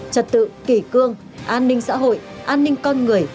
trật tự kỷ cương an ninh xã hội an ninh con người